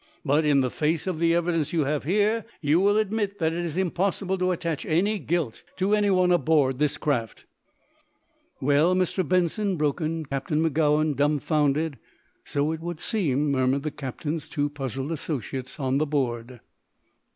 But, in the face of the evidence you have here, you will admit that it is impossible to attach any guilt to anyone aboard this craft." "Well, Mr. Benson," broke in Captain Magowan, dumfounded. "So it would seem," murmured the captain's two puzzled associates on the board.